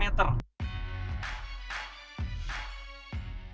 dengan torsi tiga ratus empat puluh nm